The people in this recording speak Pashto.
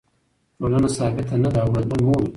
ټولنه ثابته نه ده او بدلون مومي.